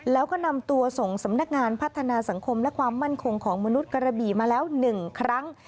แล้วก็นำตัวส่งสำนักงานพัฒนาสังคมและความมั่นคงของมนุษย์กระบี่มาแล้ว๑ครั้ง